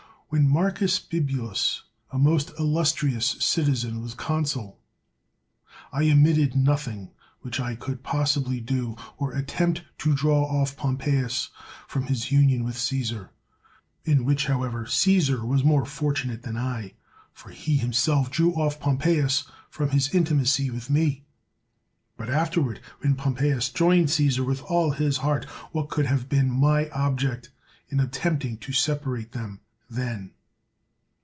When Marcus Bibulus, a most illustrious citizen, was consul, I omitted nothing which I could possibly do or attempt to draw oflf Pom peius from his union with Caesar. In which, however, Caesar was more fortunate than I, for he himself drew off Pompeius from his intimacy with me. But afterward, when Pompeius joined Caesar with all his heart, what could have been my object in attempting to separate them then